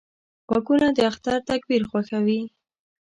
غوږونه د اختر تکبیر خوښوي